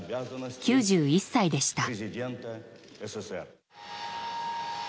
９１歳でした。